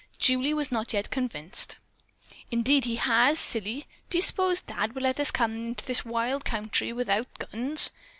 Julie was not yet convinced. "Indeed he has, silly. Do you s'pose Dad would let us come into this wild country without guns?